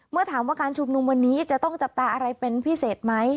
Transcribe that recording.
เมื่อถามว่าการชุมนุมวันนี้จะต้องจับตาอะไรเป็นพิเศษไหม